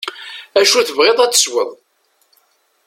Acu tebɣiḍ ad tesweḍ.